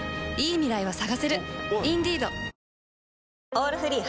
「オールフリー」